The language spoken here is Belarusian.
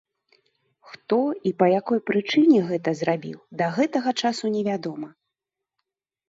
Хто і па якой прычыне гэта зрабіў, да гэтага часу невядома.